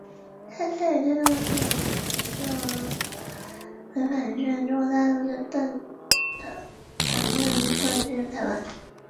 她参与推动禁止严重违反人权的中国大陆党政官员进入台湾。